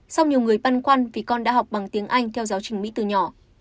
sau nhiều người băn khoăn vì con đã học bằng tiếng anh theo giáo trình mỹ từ nhỏ